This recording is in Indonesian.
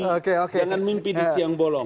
jangan mimpi di siang bolong